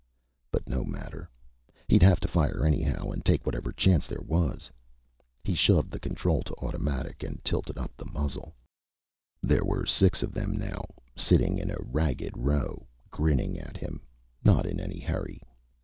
But no matter he'd have to fire anyhow and take whatever chance there was. He shoved the control to automatic, and tilted up the muzzle. There were six of them now, sitting in a ragged row, grinning at him, not in any hurry.